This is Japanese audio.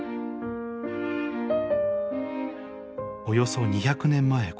およそ２００年前